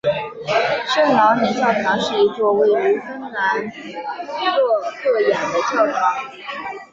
圣劳里教堂是一座位于芬兰洛赫亚的教堂。